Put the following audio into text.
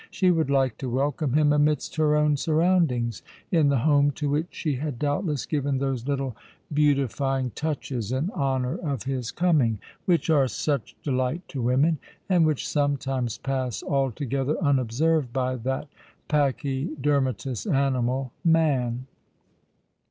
She would like to welcome him amidst her own surroundings, in the home to which she had doubtless given those little beautifying touches in honour of his coming, which are such delight to women, and which sometimes pass altogether unobserved by that pachydermatous animal, man